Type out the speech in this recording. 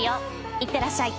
いってらっしゃい。